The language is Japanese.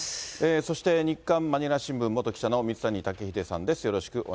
そして、日刊まにら新聞元記者の水谷竹秀さんです。